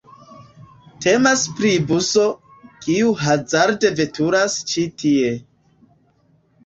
Temas pri buso, kiu hazarde veturas ĉi tie.